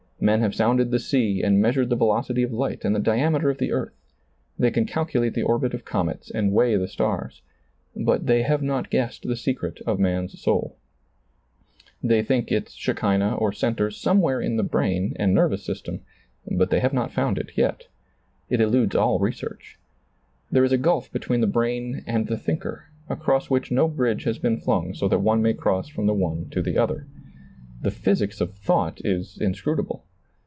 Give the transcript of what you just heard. Men have sounded the sea and measured the velocity of light and the diame ter of the earth ; they can calculate the orbit of comets and weigh the stars ; but they have not guessed the secret of man's soul. They think its shekinah or center somewhere in the brain and nervous system, but they have not found it yet. It eludes all research. There is a gulf between the brain and the thinker, across which no bridge has been flung so that one may cross from the one to the other. The physics of thought is inscrutable.